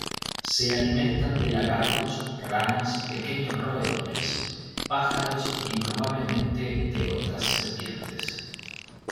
Se alimentan de lagartos, ranas, pequeños roedores, pájaros y probablemente de otras serpientes.